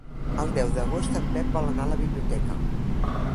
El deu d'agost en Pep vol anar a la biblioteca.